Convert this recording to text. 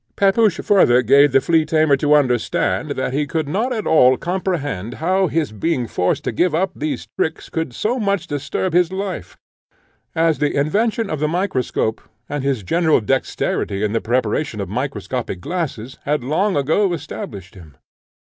Pepusch farther gave the flea tamer to understand, that he could not at all comprehend how his being forced to give up these tricks could so much disturb his life, as the invention of the microscope, and his general dexterity in the preparation of microscopic glasses, had long ago established him.